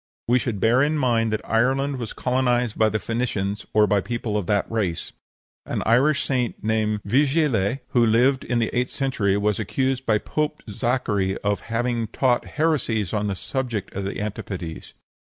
We should bear in mind that Ireland was colonized by the Phoenicians (or by people of that race). An Irish Saint named Vigile, who lived in the eighth century, was accused to Pope Zachary of having taught heresies on the subject of the antipodes.